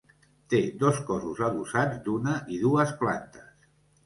Té dos cossos adossats d'una i dues plantes.